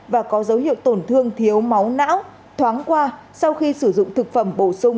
và có dấu hiệu tổn thương thiếu máu não thoáng qua sau khi sử dụng thực phẩm bổ sung